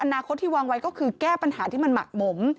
อนาคตที่วางไว้ก็คือแก้ปัญหาที่มันหมักหมม